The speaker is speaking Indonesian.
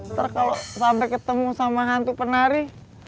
ntar kalau sampai ketemu sama hantu penari